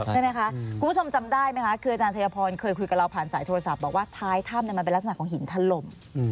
ใช่ไหมคะคุณผู้ชมจำได้ไหมคะคืออาจารย์ชัยพรเคยคุยกับเราผ่านสายโทรศัพท์บอกว่าท้ายถ้ำมันเป็นลักษณะของหินถล่ม